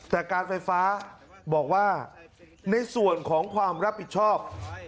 แต่การไฟฟ้าบอกว่าในส่วนของความรับผิดชอบ